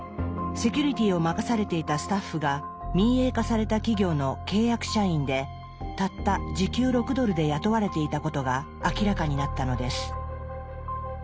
セキュリティを任されていたスタッフが民営化された企業の契約社員でたった時給６ドルで雇われていたことが明らかになったのです。